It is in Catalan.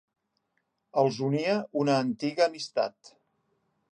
Els unia una antiga amistat.